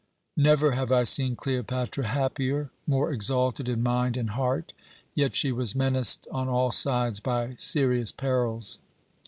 Never have I seen Cleopatra happier, more exalted in mind and heart, yet she was menaced on all sides by serious perils.